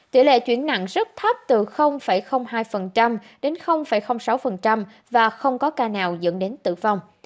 tỷ lệ chuyển nặng rất thấp từ hai đến sáu và không có ca nào dẫn đến tử vong